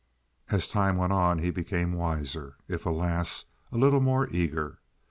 As time went on he became wiser, if, alas, a little more eager.